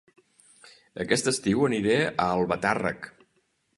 Aquest estiu aniré a Albatàrrec